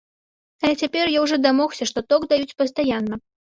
Але цяпер я ўжо дамогся, што ток даюць пастаянна.